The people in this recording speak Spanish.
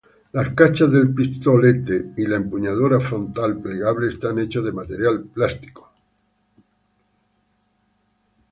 Las cachas del pistolete y la empuñadura frontal plegable están hechos de material plástico.